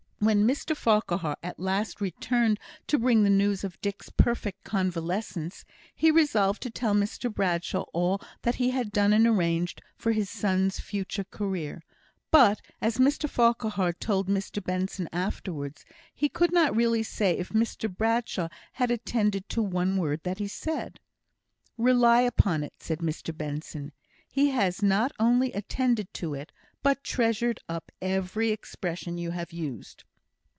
When Mr Farquhar at last returned to bring the news of Dick's perfect convalescence, he resolved to tell Mr Bradshaw all that he had done and arranged for his son's future career; but, as Mr Farquhar told Mr Benson afterwards, he could not really say if Mr Bradshaw had attended to one word that he said. "Rely upon it," said Mr Benson, "he has not only attended to it, but treasured up every expression you have used."